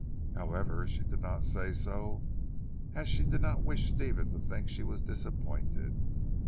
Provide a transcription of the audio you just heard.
However she did not say so, as she did not wish Stephen to think she was disappointed.